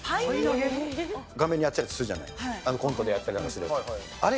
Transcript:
顔面に当てたりするじゃない、あのコントでやったりするやつ。